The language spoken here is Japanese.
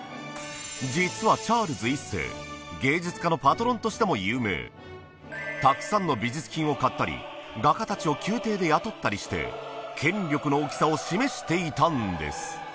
実はチャールズ１世としても有名たくさんの美術品を買ったり画家たちを宮廷で雇ったりして権力の大きさを示していたんです